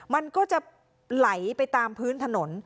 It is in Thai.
มันก็จะไหลไปตามพื้นถนน